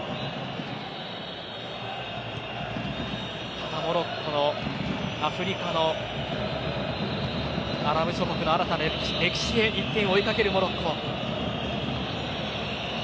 ただ、モロッコのアフリカのアラブ諸国の新たな歴史の１点を追いかけるモロッコ。